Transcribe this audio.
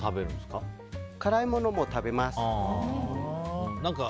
からいものも食べます。